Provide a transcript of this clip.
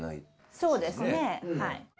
そうですねはい。